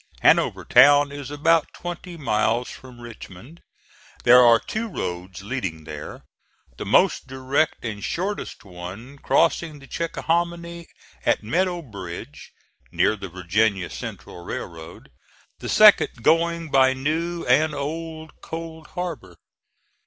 Hanover Town is about twenty miles from Richmond. There are two roads leading there; the most direct and shortest one crossing the Chickahominy at Meadow Bridge, near the Virginia Central Railroad, the second going by New and Old Cold Harbor.